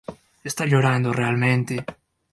Está llorando realmente.